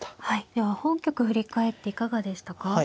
はいでは本局振り返っていかがでしたか。